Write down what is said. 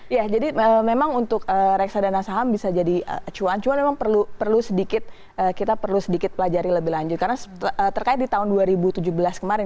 ya jadi memang untuk reksadana saham bisa jadi acuan cuan memang perlu sedikit kita perlu sedikit pelajari lebih lanjut karena terkait di tahun dua ribu tujuh belas kemarin